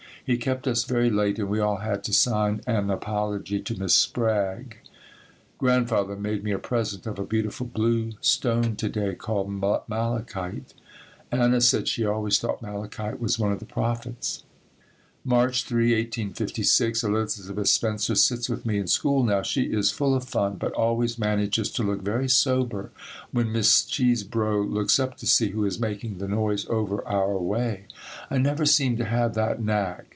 He kept us very late and we all had to sign an apology to Miss Sprague. Grandfather made me a present of a beautiful blue stone to day called Malachite. Anna said she always thought Malachite was one of the prophets. March 3, 1856. Elizabeth Spencer sits with me in school now. She is full of fun but always manages to look very sober when Miss Chesebro looks up to see who is making the noise over our way. I never seem to have that knack.